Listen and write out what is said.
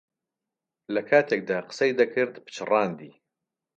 لەکاتێکدا قسەی دەکرد پچڕاندی.